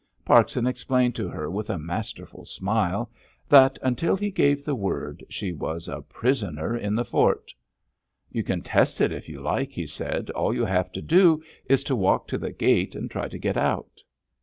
Parkson explained to her with a masterful smile, that, until he gave the word, she was a prisoner in the fort. "You can test it, if you like," he said; "all you have to do is to walk to the gate and try to get out."